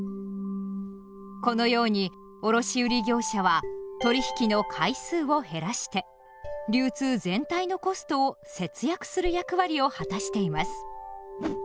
このように卸売業者は取引の回数を減らして流通全体のコストを節約する役割を果たしています。